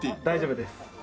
大丈夫です。